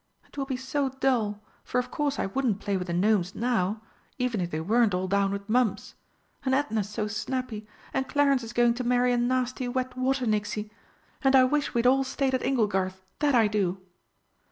It will be so dull, for of course I wouldn't play with the Gnomes now even if they weren't all down with mumps. And Edna's so snappy, and Clarence is going to marry a nasty wet Water nixie and I wish we'd all stayed at Inglegarth, that I do!"